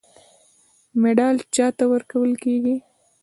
مډال چا ته ورکول کیږي؟